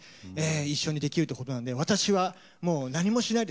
一緒にできるということなんで私はもう何もしないです。